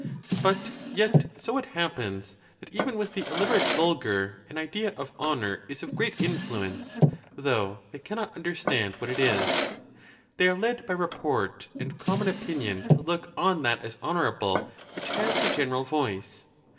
But yet, so it happens, that even with the illiterate vulgar an idea of honor is of great influence, though they cannot un derstand what it is. They are led by report and common opinion to look on that as honorable which has the general voice.